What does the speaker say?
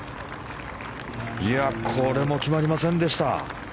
これも決まりませんでした。